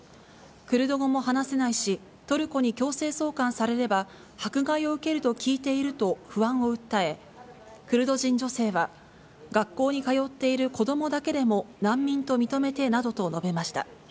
クルド語も話せないし、トルコに強制送還されれば、迫害を受けると聞いていると不安を訴え、クルド人女性は、学校に通っている子どもだけでも難民と認めてなどと述べました。